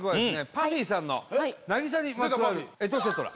ＰＵＦＦＹさんの「渚にまつわるエトセトラ」